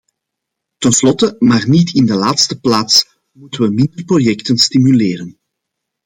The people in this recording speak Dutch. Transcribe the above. Ten slotte, maar niet in de laatste plaats, moeten we minder projecten stimuleren.